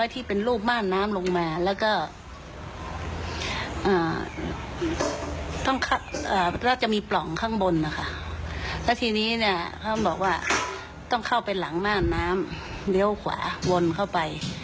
ต้องเข้าไปหลังหน้าน้ำเลี้ยวขวาวนเข้าไป